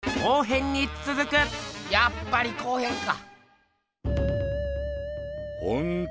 やっぱり後編か。